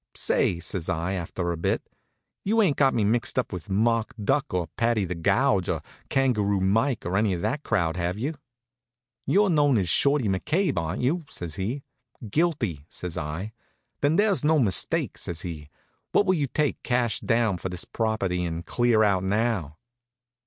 "Say," says I, after a bit, "you ain't got me mixed up with Mock Duck, or Paddy the Gouge, or Kangaroo Mike, or any of that crowd, have you?" "You're known as Shorty McCabe, aren't you?" says he. "Guilty," says I. "Then there's no mistake," says he. "What will you take, cash down, for this property, and clear out now?"